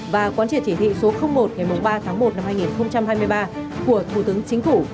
và quán triển chỉ thị số một ngày ba tháng một năm hai nghìn hai mươi ba của thủ tướng chính phủ